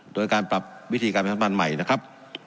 โดยการปรับวิธีการประจำนำพันธ์ใหม่นะครับ